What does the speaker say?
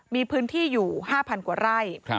มีพื้นที่อยู่๕๐๐กว่าไร่